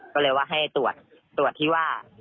ก็เลยว่าให้ตรวจตรวจที่ว่า